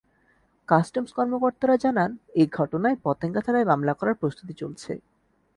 Customs কর্মকর্তারা জানান, এ ঘটনায় পতেঙ্গা থানায় মামলা করার প্রস্তুতি চলছে।